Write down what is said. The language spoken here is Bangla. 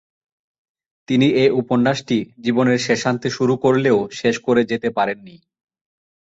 তিনি এ উপন্যাসটি জীবনের শেষান্তে শুরু করলেও শেষ করে যেতে পারেননি।